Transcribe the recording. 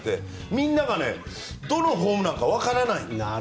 みんながどのホームランかわからない。